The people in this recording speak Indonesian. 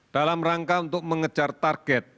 dalam rangka untuk mengejar target